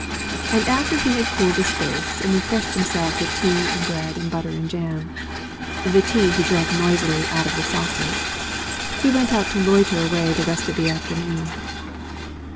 And after he had cooled a space and refreshed himself with tea and bread and butter and jam, the tea he drank noisily out of the saucer, he went out to loiter away the rest of the afternoon.